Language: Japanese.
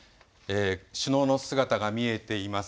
首脳の姿が見えています。